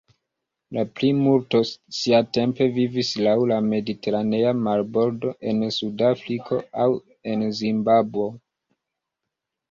La plimulto siatempe vivis laŭ la mediteranea marbordo, en Sudafriko, aŭ en Zimbabvo.